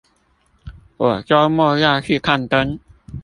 我週末要去看燈